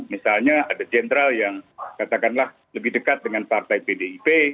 misalnya ada jenderal yang katakanlah lebih dekat dengan partai pdip